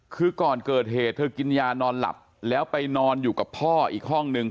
คือก่อนเกิดเหตุเธอกินยานอนหลับแล้วไปนอนอยู่กับพ่ออีกห้องนึง